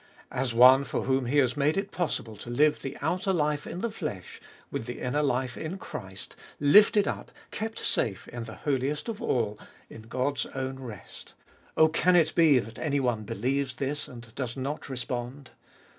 As one for whom He has made it possible to live the outer life in the flesh, with the inner life in Christ, lifted up, kept safe in the Holiest of All, in God's own rest, — oh, can it be that anyone believes this and does not respond